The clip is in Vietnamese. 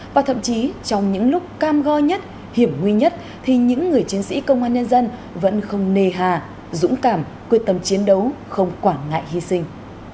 và thậm chí trong những lúc cam go nhất hiểm nguy nhất thì những người chiến sĩ công an nhân dân vẫn không nề hà dũng cảm quyết tâm chiến đấu không quản ngại hy sinh